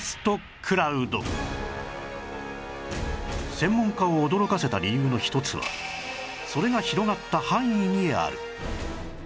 専門家を驚かせた理由の一つはそれが広がった範囲にある